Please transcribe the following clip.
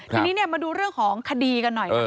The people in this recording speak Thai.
ทีนี้เนี่ยมาดูเรื่องของคดีกันหน่อยนะคะ